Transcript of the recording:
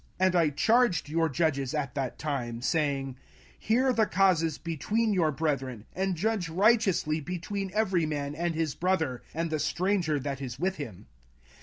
05:001:016 And I charged your judges at that time, saying, Hear the causes between your brethren, and judge righteously between every man and his brother, and the stranger that is with him.